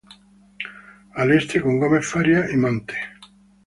Al este con Gómez Farías y Mante.